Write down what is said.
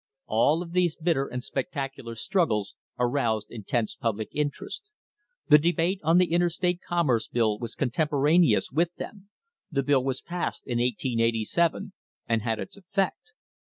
All of these bitter and spectacular struggles aroused intense public interest. The debate on the Interstate Commerce Bill was contemporaneous with them the bill was passed in 1887, and had its effect.